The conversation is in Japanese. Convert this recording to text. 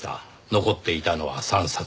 残っていたのは３冊。